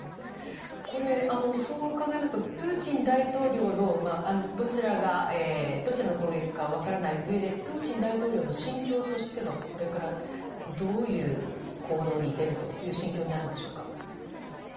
そう考えますとプーチン大統領のどちらの攻撃か分からないうえでプーチン大統領の心境としてはこれからどういう行動に出るという心境になるんでしょうか。